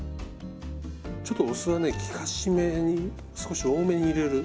ちょっとお酢はね効かしめに少し多めに入れる。